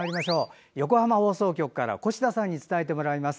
横浜放送局から越田さんに伝えてもらいます。